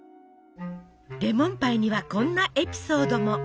レモンパイにはこんなエピソードも。